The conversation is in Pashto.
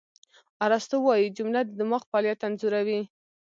ارسطو وایي، جمله د دماغ فعالیت انځوروي.